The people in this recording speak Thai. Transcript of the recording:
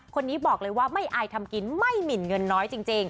คนนี้บอกเลยว่าไม่อายทำกินไม่หมินเงินน้อยจริง